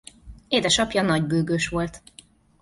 Édesapja nagybőgős volt.